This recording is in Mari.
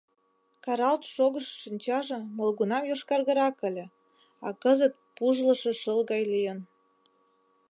Каралт шогышо шинчаже молгунам йошкаргырак ыле, а кызыт пужлышо шыл гай лийын.